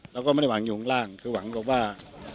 เราก็ไม่ได้หวังอยู่ข้างล่างคือหวังกับว่า